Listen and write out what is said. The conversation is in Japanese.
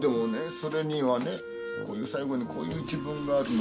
それにはねこういう最後にこういう一文があるの。